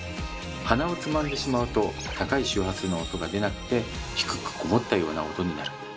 鼻をつまんでしまうと高い周波数の音が出なくて低くこもったような音になる。